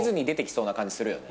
な感じするよね。